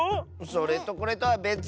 それとこれとはべつ！